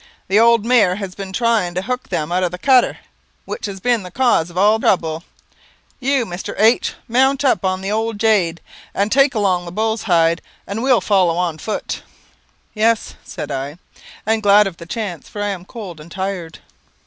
The old mare has been trying to hook them out of the cutter, which has been the cause of all the trouble. You, Mr. H , mount up on the old jade, and take along the bull's hide, and we will follow on foot." "Yes," said I, "and glad of the chance, for I am cold and tired."